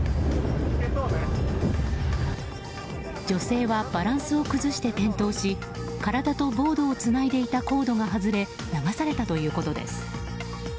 女性はバランスを崩して転倒し体とボードをつないでいたコードが外れ流されたということです。